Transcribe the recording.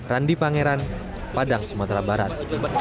randi pangeran padang sumatera barat